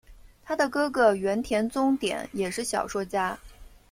她的哥哥原田宗典也是小说家。